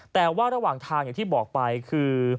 แต่ว่าระหว่างทางอย่างที่บอกไปคือ